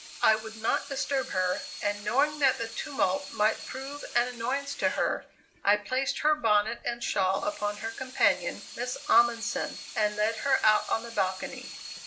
I would not disturb her, and knowing that the tumult might prove an annoyance to her, I placed her bonnet and shawl upon her companion, Miss Ahmansen, and led her out on the balcony.